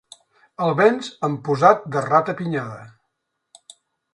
El venç amb posat de rata-pinyada.